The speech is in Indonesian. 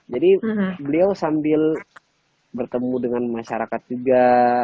jadi beliau sambil bertemu dengan masyarakat juga